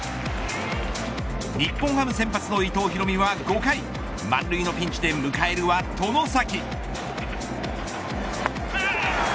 日本ハム先発の伊藤大海は５回満塁のピンチで迎えるは外崎。